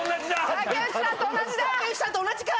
竹内さんと同じか！